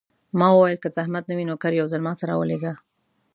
ما وویل: که زحمت نه وي، نوکر یو ځل ما ته راولېږه.